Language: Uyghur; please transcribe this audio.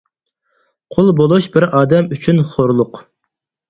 قۇل بولۇش بىر ئادەم ئۈچۈن خورلۇق.